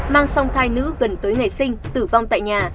mang xong thai nữ gần tới ngày sinh tử vong tại nhà